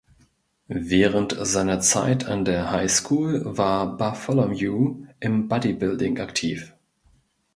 Während seiner Zeit an der High School war Bartholomew im Bodybuilding aktiv.